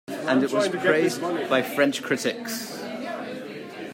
And it was praised by French critics.